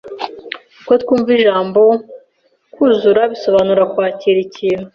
uko twumva ijambo "kwuzura" bisobanura kwakira ikintu,